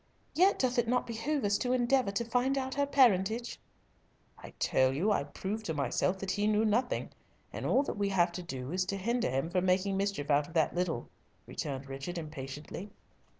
"Yet doth it not behove us to endeavour to find out her parentage?" "I tell you I proved to myself that he knew nothing, and all that we have to do is to hinder him from making mischief out of that little," returned Richard impatiently.